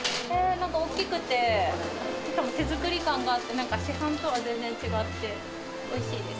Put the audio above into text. なんか大きくて、手作り感があって、市販とは全然違って、おいしいです。